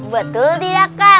betul tidak kak